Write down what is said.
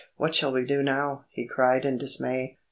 what shall we do now?" he cried in dismay.